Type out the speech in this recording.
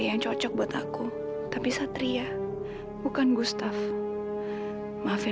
ya tuhan kenapa hati aku terasa sakit sekali